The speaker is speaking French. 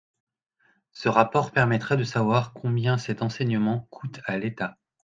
Ce rapport permettrait de savoir combien cet enseignement coûte à l’État.